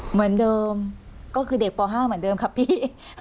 เหมือนเดิมก็คือเด็กป๕เหมือนเดิมครับพี่